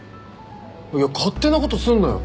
いや勝手なことすんなよ。